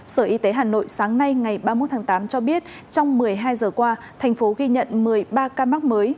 sở y tế hà nội sáng nay ngày ba mươi một tháng tám cho biết trong một mươi hai giờ qua thành phố ghi nhận một mươi ba ca mắc mới